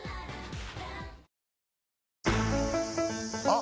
あ！